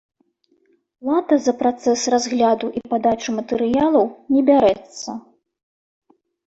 Плата за працэс разгляду і падачу матэрыялаў не бярэцца.